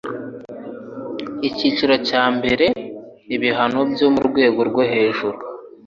icyiciro cya mbere ibihano byo mu rwego rwo hejuru